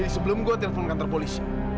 jadi sebelum gue telepon kantor polisi